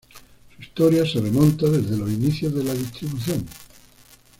Su historia se remonta desde los inicios de la distribución.